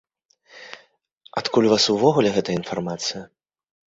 Адкуль у вас увогуле гэта інфармацыя?